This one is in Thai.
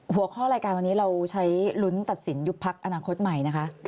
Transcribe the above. หัวข้อรายการวันนี้เราใช้ลุ้นตัดสินยุบพักอนาคตใหม่นะคะ